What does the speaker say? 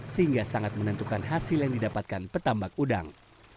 sehingga sangat menentukan hasil yang didapatkan petambak udang